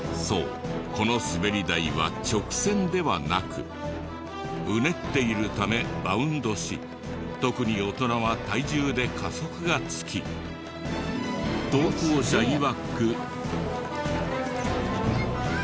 そうこのスベリ台は直線ではなくうねっているためバウンドし特に大人は体重で加速がつき投稿者いわく。